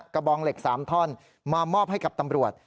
บองเหล็ก๓ท่อนมามอบให้กับตำรวจ